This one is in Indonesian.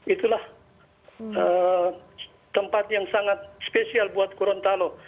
itulah tempat yang sangat spesial buat gorontalo